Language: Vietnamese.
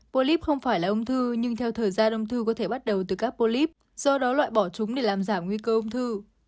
polyp không phải là ung thư nhưng theo thời gian ung thư có thể bắt đầu từ các polip do đó loại bỏ chúng để làm giảm nguy cơ ung thư